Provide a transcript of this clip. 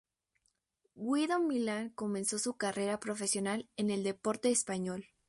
Guido Milán comenzó su carrera profesional en el Deportivo Español.